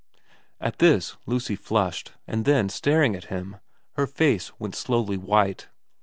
At this Lucy flushed, and then, staring at him, her face went slowly white.